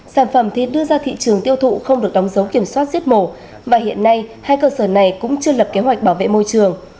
sản phẩm thịt đưa ra thị trường tiêu thụ không được đóng dấu kiểm soát giết mổ và hiện nay hai cơ sở này cũng chưa lập kế hoạch bảo vệ môi trường